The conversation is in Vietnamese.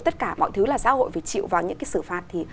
tất cả mọi thứ là xã hội phải chịu vào những cái xử phạt